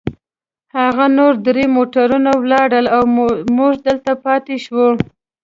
هغه نور درې موټرونه ولاړل، او موږ دلته پاتې شوو.